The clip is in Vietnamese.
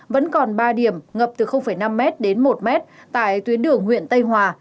vẫn còn ba điểm ngập từ năm m đến một m tại tuyến đường huyện tây hòa